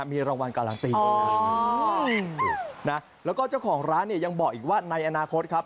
มีรางวัลการันตีด้วยนะแล้วก็เจ้าของร้านเนี่ยยังบอกอีกว่าในอนาคตครับ